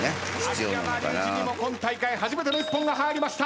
秋山竜次にも今大会初めての一本が入りました。